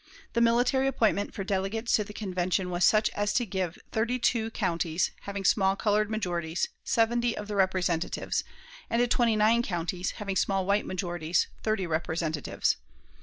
The military appointment for delegates to the Convention was such as to give to thirty two counties, having small colored majorities, seventy of the representatives, and to twenty nine counties, having small white majorities, thirty representatives.